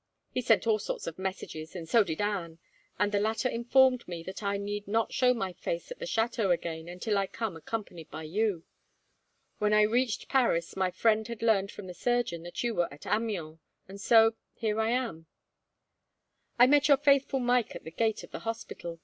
He sent all sorts of messages, and so did Anne, and the latter informed me that I need not show my face at the chateau again, until I came accompanied by you. When I reached Paris my friend had learned from the surgeon that you were at Amiens, and so, here I am. "I met your faithful Mike at the gate of the hospital.